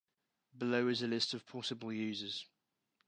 Below is a list of possible uses.